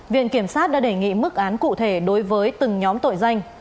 viện kiểm sát đã đề nghị mức án cụ thể đối với từng nhóm tội danh